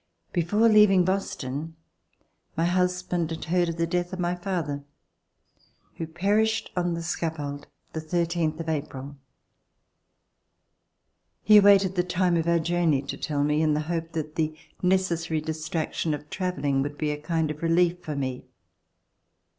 Before leaving Boston my husband had heard of the death of my father who perished on the scaffold the C189] RECOLLECTIONS OF THE REVOLUTION thirteenth of April. He awaited the time of our journey to tell me, in the hope that the necessary distraction of travelling would be a kind of relief for me.